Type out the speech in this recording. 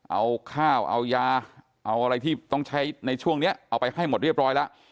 เอาข้าวเอายาเอาอะไรที่ต้องใช้ในช่วงนี้เอาไปให้หมดเรียบร้อยแล้ว